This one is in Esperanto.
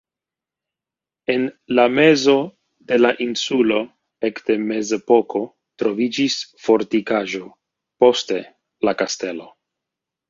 En la mezo de la insulo ekde mezepoko troviĝis fortikaĵo, poste la kastelo.